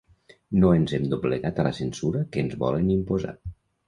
No ens hem doblegat a la censura que ens volen imposar.